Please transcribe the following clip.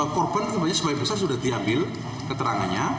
korban sebenarnya sebagian besar sudah diambil keterangannya